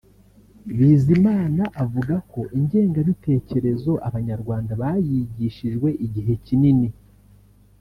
Bizimana avuga ko ingengabitekerezo Abanyarwanda bayigishijwe igihe kinini